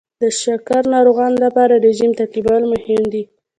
د شکر ناروغانو لپاره رژیم تعقیبول مهم دي.